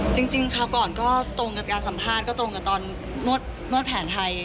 คราวก่อนก็ตรงกับการสัมภาษณ์ก็ตรงกับตอนนวดแผนไทย